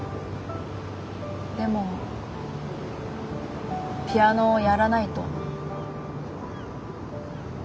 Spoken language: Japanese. でもピアノをやらないと。